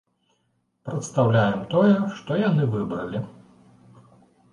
Прадстаўляем тое, што яны выбралі.